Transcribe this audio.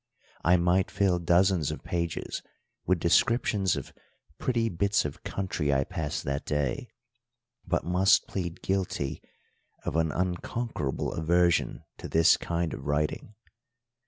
I might fill dozens of pages with descriptions of pretty bits of country I passed that day, but must plead guilty of an unconquerable aversion to this kind of writing.